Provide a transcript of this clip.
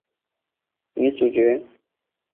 女主角李晓萍由金钟奖得主温贞菱饰演。